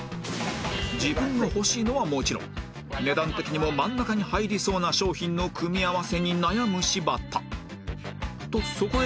自分が欲しいのはもちろん値段的にも真ん中に入りそうな商品の組み合わせに悩む柴田とそこへ